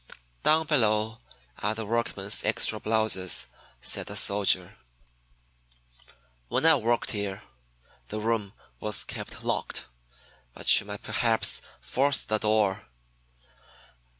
"Down below are the workmen's extra blouses," said the soldier. "When I worked here, the room was kept locked, but you might perhaps force the door.